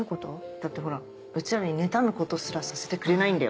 だってほらうちらに妬むことすらさせてくれないんだよ。